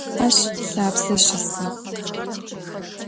Ащ лъапсэ щыдзыгъ.